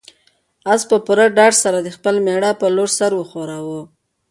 آس په پوره ډاډ سره د خپل مېړه په لور سر وښوراوه.